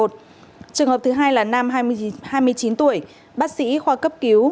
trường hợp thứ hai là nam hai mươi chín tuổi bác sĩ khoa cấp cứu